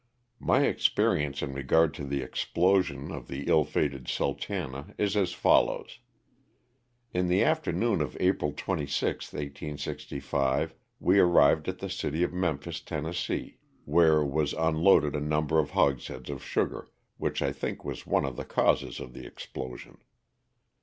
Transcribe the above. My experience in regard to the explosion of the ill fated " Sultana 'Ms as follows: In the afternoon of April 26, 1865, we arrived at the city of Memphis, Tenn., where was unloaded a number of hogsheads of sugar, which I think was one of the causes of the ex plosion.